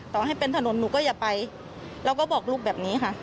ต่อให้เป็นถนนหนูก็อย่าไปเราก็บอกลูกแบบนี้ค่ะ